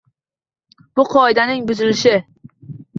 Bu qoidaning buzilishi